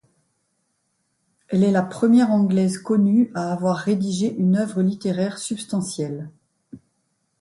Elle est la première Anglaise connue à avoir rédigé une œuvre littéraire substantielle.